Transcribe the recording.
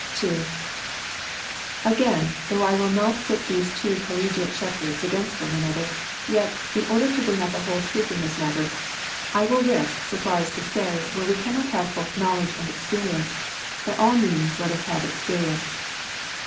2. Again, though I will not put those two collegiate shepherds against one another, yet, in order to bring out the whole truth on this matter, I will risk so far as to say that where we cannot have both Knowledge and Experience, by all means let us have Experience.